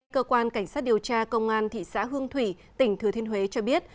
cơ quan cảnh sát điều tra công an thị xã hương thủy tỉnh thừa thiên huế cho biết